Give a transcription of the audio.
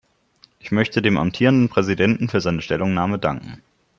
Ich möchte dem amtierenden Präsidenten für seine Stellungnahme danken.